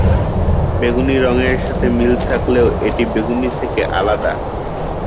বেগুনী রঙের সাথে মিল থাকলেও এটি বেগুনী থেকে আলাদা।